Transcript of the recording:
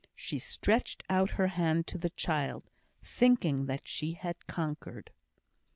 She stretched out her hand to the child, thinking that she had conquered.